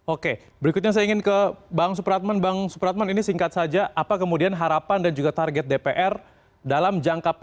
oke berikutnya saya ingin ke bang supratman bang supratman ini singkat saja apa kemudian harapan dan juga target dpr dalam jangka pendek